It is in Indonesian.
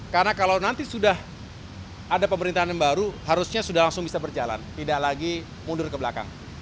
karena kalau nanti sudah ada pemerintahan yang baru harusnya sudah langsung bisa berjalan tidak lagi mundur ke belakang